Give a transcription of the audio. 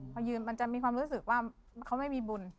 พอยืนมันจะมีความรู้สึกว่าเขาไม่มีบุญ